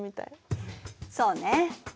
そうね。